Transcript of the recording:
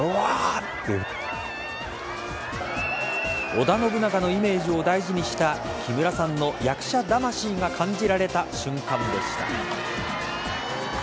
織田信長のイメージを大事にした木村さんの役者魂が感じられた瞬間でした。